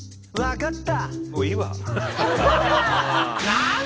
分かった！